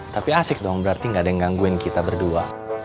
tapi asik dong berarti gak ada yang gangguin kita berdua